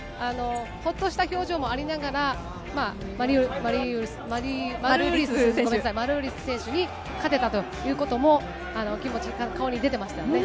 ほっとした表情もありながら、マルーリス選手に勝てたということも、気持ち、顔に出てましたよ